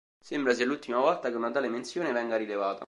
Sembra sia l'ultima volta che una tale menzione venga rilevata.